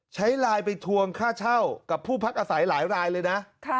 ใช้ไลน์ไปทวงค่าเช่ากับผู้พักอาศัยหลายรายเลยนะ